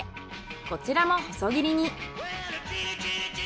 こちらも細切りに。